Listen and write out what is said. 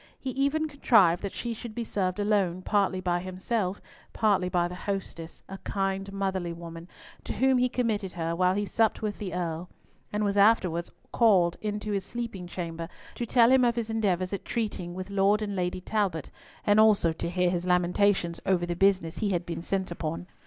He even contrived that she should be served alone, partly by himself, partly by the hostess, a kind motherly woman, to whom he committed her, while he supped with the Earl, and was afterwards called into his sleeping chamber to tell him of his endeavours at treating with Lord and Lady Talbot, and also to hear his lamentations over the business he had been sent upon.